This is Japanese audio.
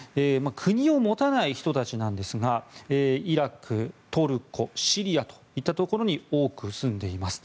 国を持たない人たちなんですがイラク、トルコシリアといったところに多く住んでいます。